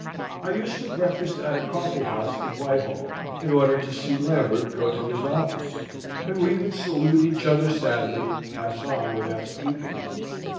I used to breakfast at a coffee house in Whitehall, in order to see Lambert go to his office; and we would salute each other sadly, and pass on without speaking.